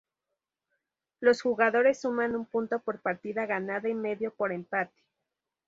Los jugadores suman un punto por partida ganada y medio por empate.